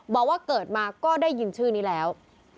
บอกว่าเกิดมาก็ได้ยินชื่อนี้แล้ว